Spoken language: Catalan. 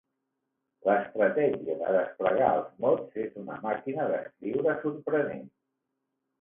L'estratègia de desplegar els mots és una màquina d'escriure sorprenent.